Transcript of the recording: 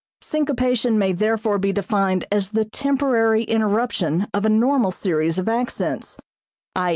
Syncopation may therefore be defined as the temporary interruption of a normal series of accents, _i.